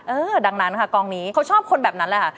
เออดังนั้นค่ะกองนี้เขาชอบคนแบบนั้นแหละค่ะ